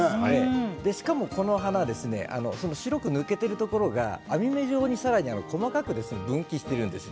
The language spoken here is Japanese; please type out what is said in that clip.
しかもこの花は白く抜けているところが網目状にさらに細かく分岐しているんです。